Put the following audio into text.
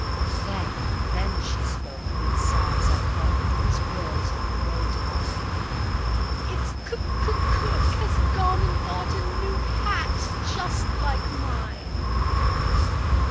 Then, then she spoke; 'mid sobs I caught These words of woe divine: "It's coo coo cook has gone and bought _A new hat just like mine.